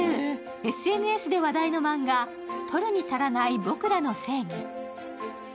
ＳＮＳで話題のマンガ、「取るに足らない僕らの正義」。